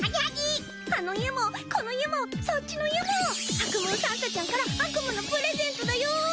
あの家もこの家もそっちの家もアクムーサンタちゃんから悪夢のプレゼントだよ！